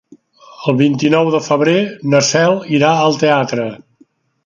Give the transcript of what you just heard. El vint-i-nou de febrer na Cel irà al teatre.